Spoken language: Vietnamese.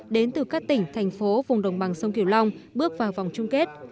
đến từ các tỉnh thành phố vùng đồng bằng sông kiều long bước vào vòng chung kết